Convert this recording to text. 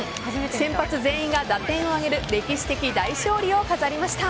先発全員が打点を挙げる歴史的大勝利を飾りました。